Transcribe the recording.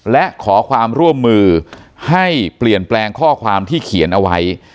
และขอความร่วมมือให้เปลี่ยนแปลงข้อความที่เขียนเอาไว้